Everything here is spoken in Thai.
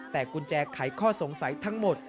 แต่กุญแจไขข้อสงสัยทั้งหมด